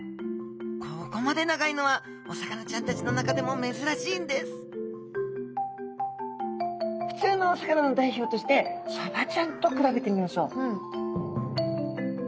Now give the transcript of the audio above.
ここまで長いのはお魚ちゃんたちの中でもめずらしいんですふつうのお魚の代表としてサバちゃんと比べてみましょう。